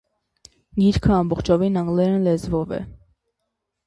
Գիրքը ամբողջովին անգլերեն լեզվով է։